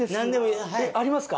えっありますか？